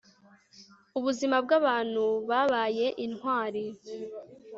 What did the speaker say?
ubuzima bw'abantu babaye intwari